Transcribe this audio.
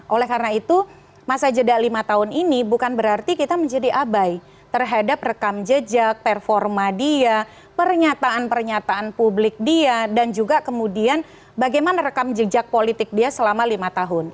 oleh karena itu masa jeda lima tahun ini bukan berarti kita menjadi abai terhadap rekam jejak performa dia pernyataan pernyataan publik dia dan juga kemudian bagaimana rekam jejak politik dia selama lima tahun